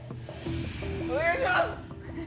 お願いします！